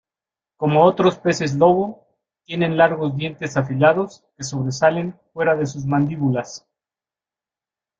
Como otros peces lobo tiene largos dientes afiliados que sobresalen fuera de sus mandíbulas.